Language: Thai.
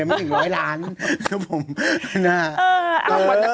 ไม่ถึงร้อยล้าน